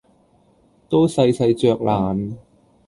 都細細嚼爛，